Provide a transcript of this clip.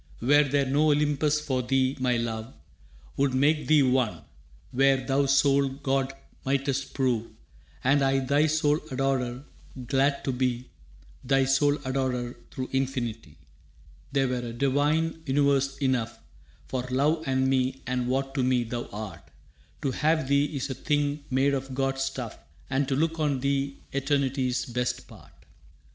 «Were there no Olympus for thee, my love Would make thee one, where thou sole god mightst prove, And I thy sole adorer, glad to be Thy sole adorer through infinity. That were a divine universe enough For love and me and what to me thou art. To have thee is a thing made of gods' stuff And to look on thee eternity's best part.